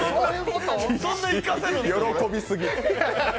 喜びすぎ。